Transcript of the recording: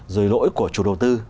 rồi lỗi của chủ đầu tư